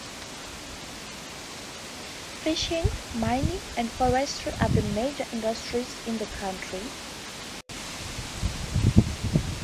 Fishing, mining and forestry are the major industries in the county.